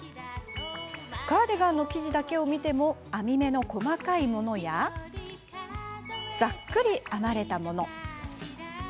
カーディガンの生地だけを見ても編み目の細かいものやざっくり編まれたもの。